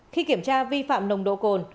khi kiểm tra vi phạm nồng độ cồn